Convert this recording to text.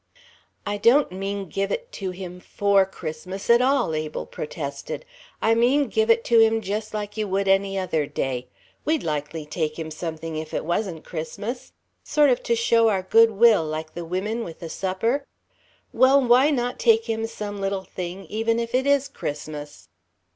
"I don't mean give it to him for Christmas at all," protested Abel. "I mean give it to him just like you would any other day. We'd likely take him something if it wasn't Christmas? Sort of to show our good will, like the women with the supper? Well, why not take him some little thing even if it is Christmas?"